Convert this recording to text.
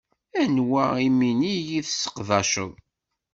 Anwa iminig i tseqdaceḍ?